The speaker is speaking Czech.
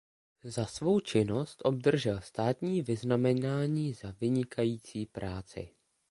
Za svou činnost obdržel státní vyznamenání Za vynikající práci.